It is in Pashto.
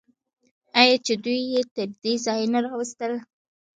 آیا چې دوی یې تر دې ځایه نه راوستل؟